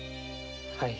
はい。